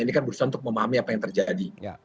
ini kan berusaha untuk memahami apa yang terjadi